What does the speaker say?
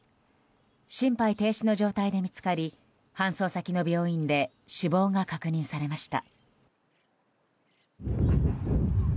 心肺停止の状態で見つかり搬送先の病院で死亡が確認されました。